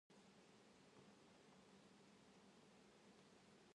ヨガ教室に通っているよ